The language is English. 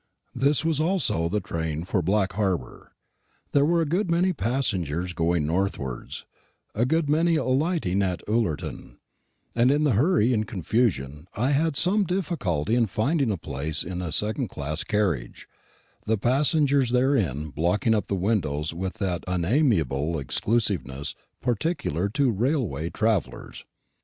This was also the train for Black Harbour. There were a good many passengers going northwards, a good many alighting at Ullerton; and in the hurry and confusion I had some difficulty in finding a place in a second class carriage, the passengers therein blocking up the windows with that unamiable exclusiveness peculiar to railway travellers.